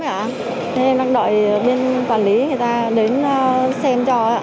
nên em đang đợi bên quản lý người ta đến xem cho